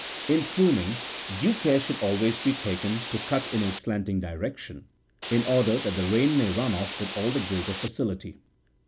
In pruning, due care should always be taken to cut in a slanting direction, in order47 that the rain may run off with all the greater facility.